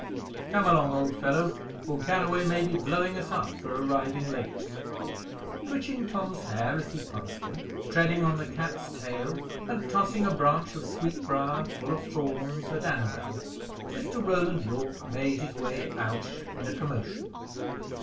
Come along, old fellow, or Galloway may be blowing us up for arriving late." Twitching Tom's hair as he passed him, treading on the cat's tail, and tossing a branch of sweetbriar full of thorns at Annabel, Mr. Roland Yorke made his way out in a commotion.